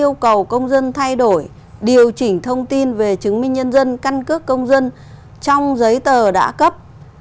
yêu cầu công dân thay đổi điều chỉnh thông tin về chứng minh nhân dân căn cước công dân trong giấy tờ đã cấp